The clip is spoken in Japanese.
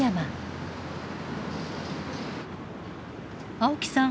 青木さん